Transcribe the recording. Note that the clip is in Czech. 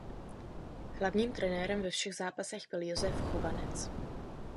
Hlavním trenérem ve všech zápasech byl Jozef Chovanec.